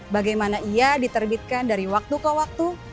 bagaimana ia diterbitkan dari waktu ke waktu